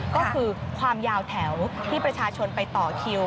ก็คือความยาวแถวที่ประชาชนไปต่อคิว